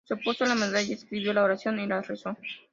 Se puso la medalla, escribió la oración y la rezó.